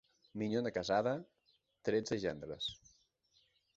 Minyona casada, tretze gendres.